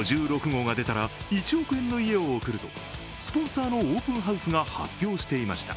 ５６号が出たら１億円の家を贈るとスポンサーのオープンハウスが発表していました。